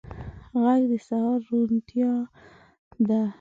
غږ د سهار روڼتیا ده